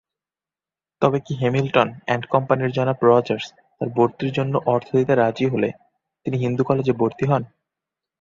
তবে, king Hamilton and company জনাব Rogers তার ভর্তির জন্য অর্থ দিতে রাজি হলে তিনি হিন্দু কলেজে ভর্তি হন।